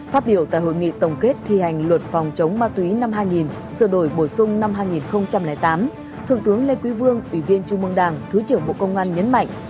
phát biểu tại hội nghị tổng kết thi hành luật phòng chống ma túy năm hai nghìn sửa đổi bổ sung năm hai nghìn tám thượng tướng lê quý vương ủy viên trung mương đảng thứ trưởng bộ công an nhấn mạnh